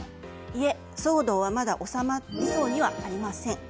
いえ、騒動はまだ収まりそうにはありません。